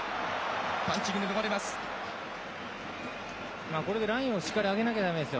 パンチングで逃れます。